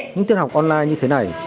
những tiết học online như thế này